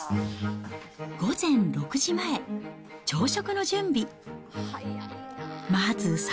午前６時前、朝食の準備。